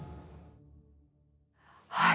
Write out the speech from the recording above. はい。